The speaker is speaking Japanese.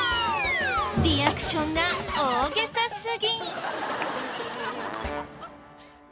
リアクションが大げさすぎ！